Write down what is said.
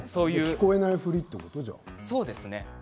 聞こえないふりということ？